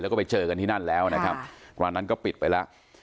แล้วก็ไปเจอกันที่นั่นแล้วนะครับวันนั้นก็ปิดไปแล้ว